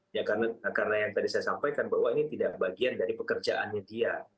ya karena yang tadi saya sampaikan bahwa ini tidak bagian dari pekerjaannya dia